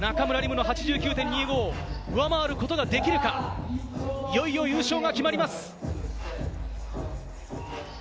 夢の８９．２５を上回ることができるか、いよいよ優勝が決まります。